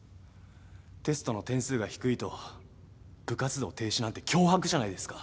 テストの点数が低いと部活動停止なんて脅迫じゃないですか。